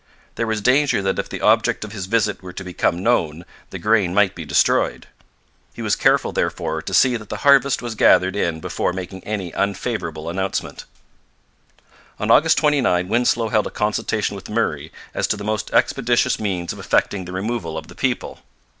There was danger that if the object of his visit were to become known, the grain might be destroyed. He was careful, therefore, to see that the harvest was gathered in before making any unfavourable announcement. On August 29 Winslow held a consultation with Murray as to the most expeditious means of effecting the removal of the people.